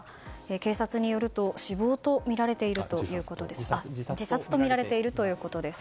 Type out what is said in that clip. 警察によると自殺とみられているということです。